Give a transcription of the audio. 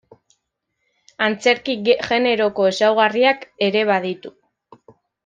Antzerki generoko ezaugarriak ere baditu.